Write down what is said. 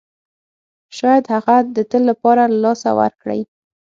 شاید هغه د تل لپاره له لاسه ورکړئ.